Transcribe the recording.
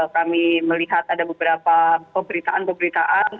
kami melihat ada beberapa pemberitaan pemberitaan